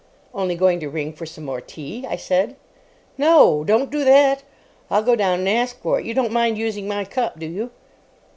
"Only going to ring for some more tea," I said. "No, don't do that. I'll go down and ask for it. You don't mind using my cup, do you?"